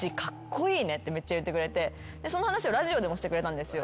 めっちゃ言ってくれてその話をラジオでもしてくれたんですよ。